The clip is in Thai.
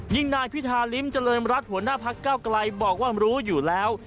นายพิธาริมเจริญรัฐหัวหน้าพักเก้าไกลบอกว่ารู้อยู่แล้ว